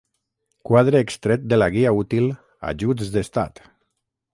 Quadre extret de la guia útil 'Ajuts d'Estat'